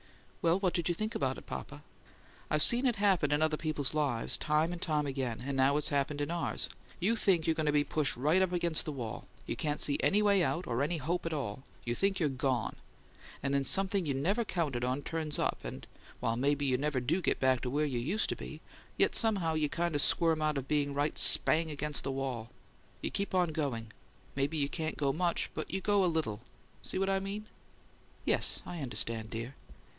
"What did you think about it, papa!" "Well, I've seen it happen in other people's lives, time and time again; and now it's happened in ours. You think you're going to be pushed right up against the wall; you can't see any way out, or any hope at all; you think you're GONE and then something you never counted on turns up; and, while maybe you never do get back to where you used to be, yet somehow you kind of squirm out of being right SPANG against the wall. You keep on going maybe you can't go much, but you do go a little. See what I mean?" "Yes. I understand, dear."